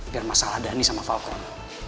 biar masalah dhani sama falcon